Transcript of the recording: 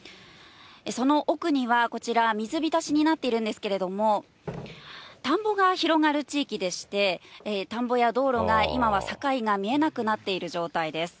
その奥にはこちら、水浸しになっているんですけれども、田んぼが広がる地域でして、田んぼや道路が今は境が見えなくなっている状態です。